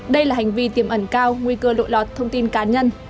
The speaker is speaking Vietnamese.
đây là hành vi tiềm ẩn cao nguy cơ lội lọt thông tin cá nhân